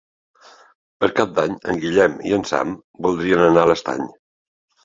Per Cap d'Any en Guillem i en Sam voldrien anar a l'Estany.